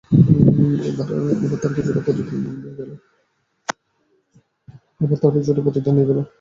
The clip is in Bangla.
এবার তার কিছুটা প্রতিদান দেয়া গেল।